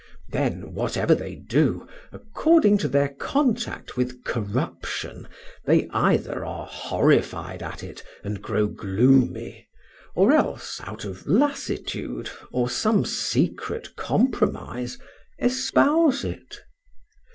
Then, whatever they do, owing to their contact with corruption, they either are horrified at it and grow gloomy, or else, out of lassitude, or some secret compromise, espouse it.